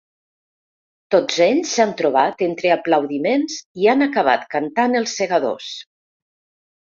Tots ells s’han trobat entre aplaudiments i han acabat cantant ‘Els segadors’.